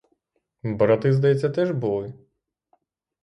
Брати, здається, теж були?